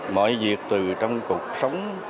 mọi việc từ trong cuộc sống